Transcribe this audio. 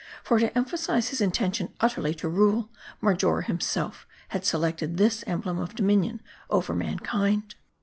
For to emphasize his intention utterly to rule, Marjora himself had selected this emblem of dominion over mankind.